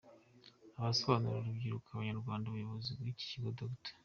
Asobanurira urubyiruko rw’Abanyarwanda umuyobozi w’ikigo Dr.